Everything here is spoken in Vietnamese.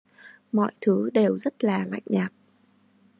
Mọi thứ đều rất là lạnh nhạt